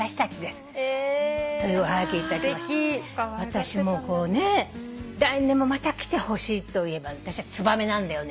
私も来年もまた来てほしいといえば私はツバメなんだよね。